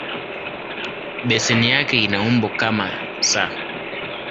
Beseni yake ina umbo kama "S".